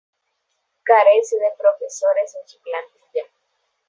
Carece de profesores en su plantilla.